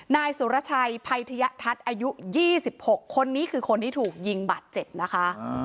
นายสุรชัยภัยทยทัศน์อายุ๒๖คนนี้คือคนที่ถูกยิงบาดเจ็บนะคะ